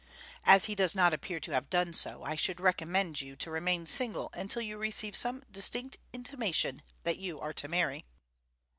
As he does not appear to have done so, I should recommend you to remain single until you receive some distinct intimation that you are to marry."